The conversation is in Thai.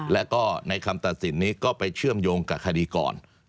แล้วก็ในคำตัดสินนี้ก็ไปเชื่อมโยงกับคดีก่อน